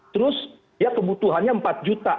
terus ya kebutuhannya empat juta